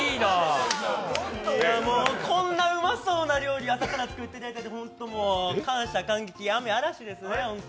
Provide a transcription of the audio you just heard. こんなうまそうな料理朝から作っていただいてホントもう「感謝カンゲキ雨嵐」ですね。